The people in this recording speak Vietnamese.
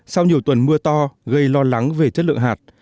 sau nhiều tuần mưa to gây lo lắng về chất lượng hạt